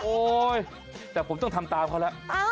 โอ๊ยแต่ผมต้องทำตามเขาแล้ว